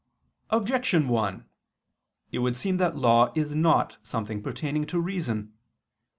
Objection 1: It would seem that law is not something pertaining to reason.